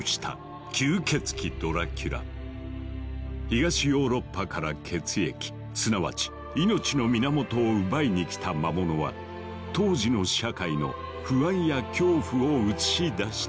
東ヨーロッパから血液すなわち命の源を奪いに来た魔物は当時の社会の不安や恐怖を映し出していたのだ。